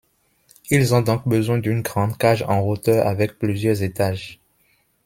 Ils ont donc besoin d'une grande cage en hauteur avec plusieurs étages.